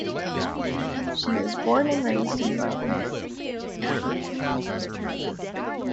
She was born and raised in Rome.